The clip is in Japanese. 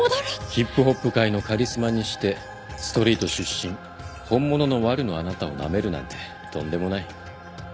ヒップホップ界のカリスマにしてストリート出身本物のワルのあなたをなめるなんてとんでもない。